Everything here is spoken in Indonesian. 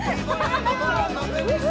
sebenarnya ini adalah suatu referensi